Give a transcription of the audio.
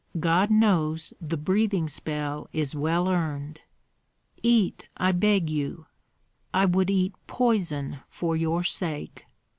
God knows the breathing spell is well earned!" "Eat, I beg you." "I would eat poison for your sake!